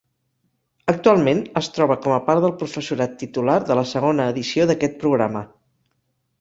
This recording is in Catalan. Actualment es troba com a part del professorat titular de la segona edició d'aquest programa.